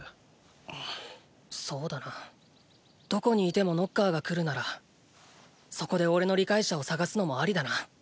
そうだなどこにいてもノッカーが来るならそこでおれの理解者を探すのもありだな。